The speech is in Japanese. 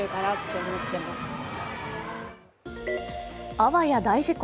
あわや大事故。